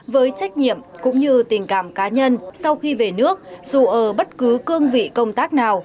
với trách nhiệm cũng như tình cảm cá nhân sau khi về nước dù ở bất cứ cương vị công tác nào